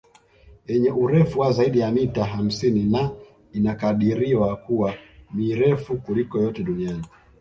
Yenye urefu wa zaidi ya mita hamsini na inakadiriwa kuwa mirefu kuliko yote duniani